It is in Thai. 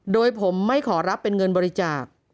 โดยผมไม่ขอรับเป็นเงินบริจาค